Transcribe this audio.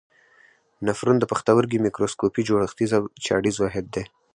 نفرون د پښتورګي میکروسکوپي جوړښتیز او چاڼیز واحد دی.